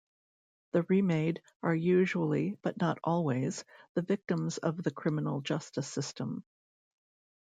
The Remade are usually, but not always, the victims of the criminal justice system.